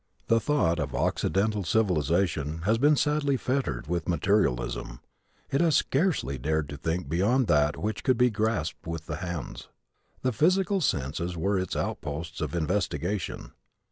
The thought of Occidental civilization has been sadly fettered with materialism. It has scarcely dared to think beyond that which could be grasped with the hands. The physical senses were its outposts of investigation.